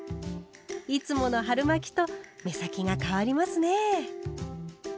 いつもの春巻と目先が変わりますね。